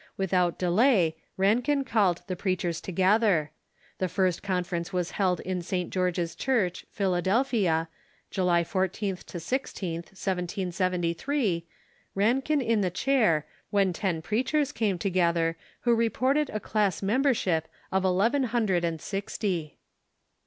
Without delay, Rankin called the preachers together. The first conference Avas held in St. George's Church, Pliiladelphia, July 14th 16th, 1773, Rankin in the chair, when ten preachers came together, Avho reported a class membership of eleven hundred and sixty.